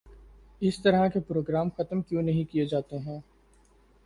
اس طرح کے پروگرام ختم کیوں نہیں کیے جاتے ہیں